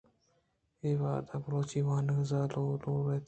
اِے وھد ءَ بلوچی وانگ ءِ زلورت اِنت۔